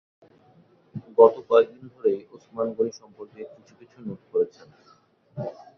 গত কয়েকদিন ধরেই ওসমান গনি সম্পর্কে কিছু-কিছু নোট করেছেন।